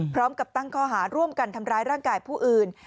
พร้อมกับตั้งข้อหาร่วมกันทำร้ายร่างกายผู้อื่น